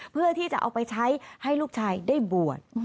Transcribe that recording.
เพื่อที่จะเอาไปใช้ให้ลูกชายได้บวช